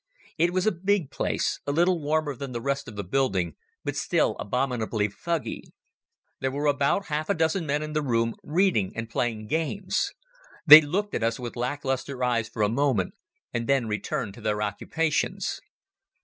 It was a big place, a little warmer than the rest of the building, but still abominably fuggy. There were about half a dozen men in the room, reading and playing games. They looked at us with lack lustre eyes for a moment, and then returned to their occupations.